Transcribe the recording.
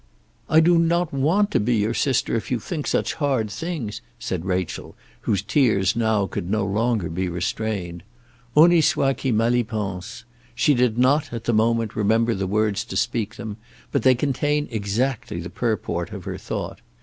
"I do not want to be your sister if you think such hard things," said Rachel, whose tears now could no longer be restrained. Honi soit qui mal y pense. She did not, at the moment, remember the words to speak them, but they contain exactly the purport of her thought.